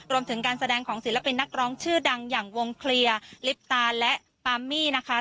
รวมถึงการแสดงของศิลปินนักร้องชื่อดังอย่างวงเคลียร์ลิปตาและปามมี่นะคะ